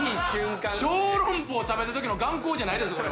小籠包食べてるときの眼光じゃないですよ。